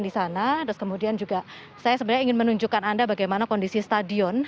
di sana terus kemudian juga saya sebenarnya ingin menunjukkan anda bagaimana kondisi stadion